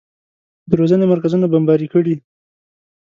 د روزنې مرکزونه بمباري کړي.